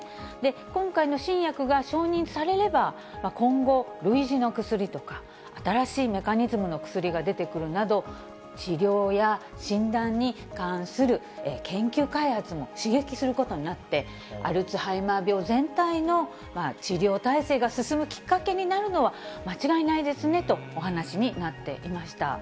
今回の新薬が承認されれば、今後、類似の薬とか、新しいメカニズムの薬が出てくるなど、治療や診断に関する研究開発を刺激することになって、アルツハイマー病全体の治療体制が進むきっかけになるのは間違いないですねとお話になっていました。